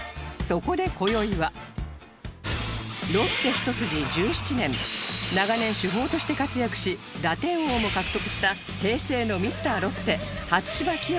ロッテ一筋１７年長年主砲として活躍し打点王も獲得した平成のミスターロッテ初芝清